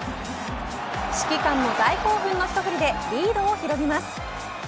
指揮官も大興奮の一振りでリードを広げます。